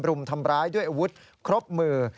รุมทำร้ายด้วยอาวุธครบมือ